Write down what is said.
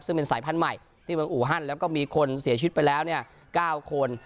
ซึ่งเป็นสายพันธุ์ใหม่ที่เมืองอูฮันแล้วก็มีคนเสียชีวิตไปแล้ว๙คน